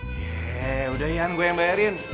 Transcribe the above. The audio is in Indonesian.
ck ya udah yan gue yang bayarin